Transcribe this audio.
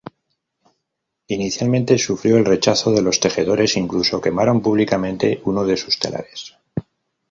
Inicialmente sufrió el rechazo de los tejedores, incluso quemaron públicamente uno de sus telares.